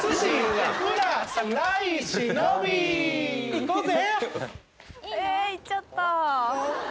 行こうぜ！